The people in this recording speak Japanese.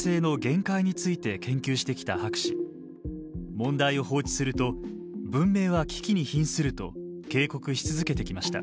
問題を放置すると文明は危機に瀕すると警告し続けてきました。